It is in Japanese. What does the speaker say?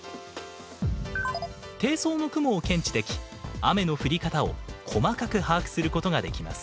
低層の雲を検知でき雨の降り方を細かく把握することができます。